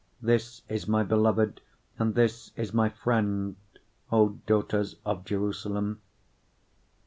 This is my beloved, and this is my friend, O daughters of Jerusalem.